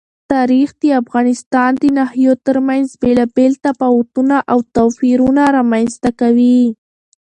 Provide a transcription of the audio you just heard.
تاریخ د افغانستان د ناحیو ترمنځ بېلابېل تفاوتونه او توپیرونه رامنځ ته کوي.